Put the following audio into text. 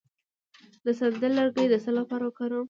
د سندل لرګی د څه لپاره وکاروم؟